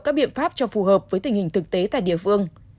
các biện pháp cho phù hợp với tình hình thực tế tại địa phương